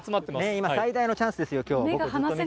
今、最大のチャンスですよ、きょう。